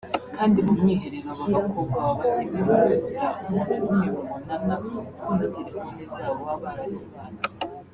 kandi mu mwiherero aba bakobwa baba batemerewe kugira umuntu n’umwe babonana kuko na telefone zabo baba barazibatse